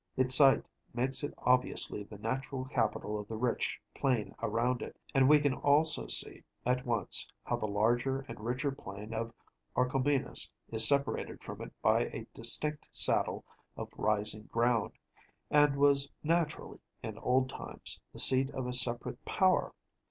Its site makes it obviously the natural capital of the rich plain around it; and we can also see at once how the larger and richer plain of Orchomenus is separated from it by a distinct saddle of rising ground, and was naturally, in old times, the seat of a separate power.